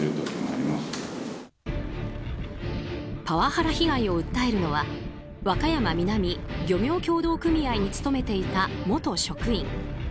パワハラ被害を訴えるのは和歌山南漁業協同組合に勤めていた元職員。